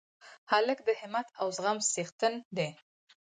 هلک د همت او زغم څښتن دی.